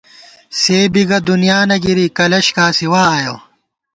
سے بی گہ دُنیانہ گِری ، کلَش کاسِوا آیَہ